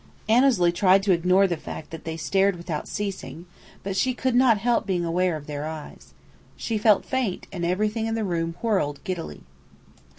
Annesley tried to ignore the fact that they stared without ceasing, but she could not help being aware of their eyes. She felt faint, and everything in the room whirled giddily.